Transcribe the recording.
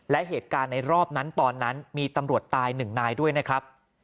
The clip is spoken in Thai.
และเหตุการณ์ในรอบนั้นตอนนั้นมีตำรวจตายหนึ่งนายด้วยนะครับ